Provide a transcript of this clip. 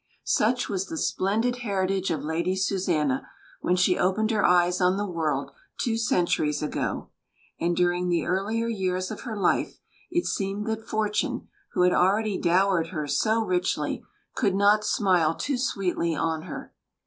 Such was the splendid heritage of Lady Susanna when she opened her eyes on the world two centuries ago; and, during the earlier years of her life, it seemed that Fortune, who had already dowered her so richly, could not smile too sweetly on her.